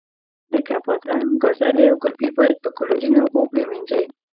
لکه بادرنګ، ګازرې او ګلپي باید په کلورین اوبو پرېمنځئ.